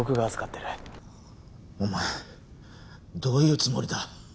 お前どういうつもりだ！？